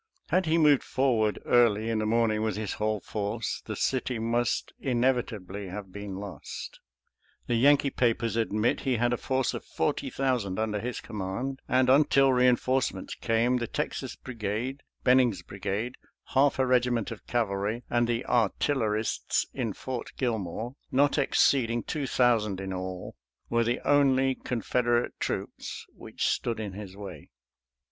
Had he moved forward early in the morning with his whole force, the city must inevitably have been lost. The Yankee papers admit he had a force of forty thousand under his command; and, until reinforcements came, the Texas Brigade, Benning's brigade, half a regiment of cavalry, and the artillerists in Fort Gilmore — not exceeding two thousand in all — were the only Confederate troops which stood in his way.